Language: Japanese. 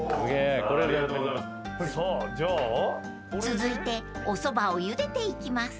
［続いてお蕎麦をゆでていきます］